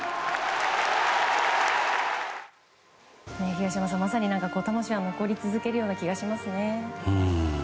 東山さん、まさに魂は残り続けるような気がしますね。